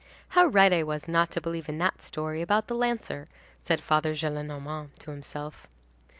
"How right I was not to believe in that story about the lancer!" said Father Gillenormand, to himself.